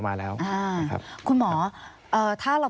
สวัสดีค่ะที่จอมฝันครับ